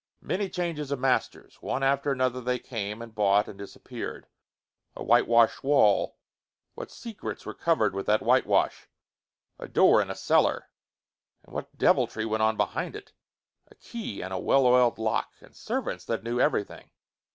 Many changes of masters! One after another they came and bought and disappeared. A whitewashed wall. What secrets were covered with that whitewash? A door in a cellar. And what deviltry went on behind it? A key and a well oiled lock, and servants that knew everything.